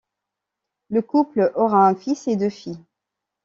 Le couple aura un fils et deux filles.